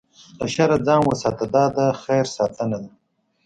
له شره ځان وساته، دا د خیر ساتنه ده.